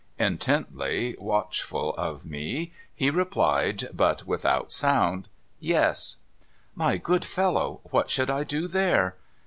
Intently watchful of me, he replied (but without sound), ' Yes.' ' My good fellow, what should I do there